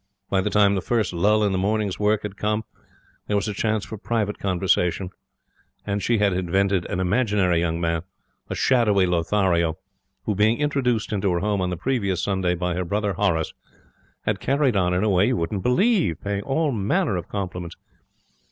By the time the first lull in the morning's work had come, and there was a chance for private conversation, she had invented an imaginary young man, a shadowy Lothario, who, being introduced into her home on the previous Sunday by her brother Horace, had carried on in a way you wouldn't believe, paying all manner of compliments.